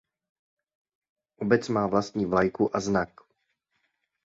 Obec má vlastní vlajku a znak.